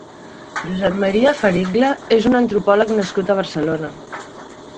Josep Maria Fericgla és un antropòleg nascut a Barcelona.